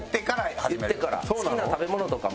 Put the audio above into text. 好きな食べ物とかも。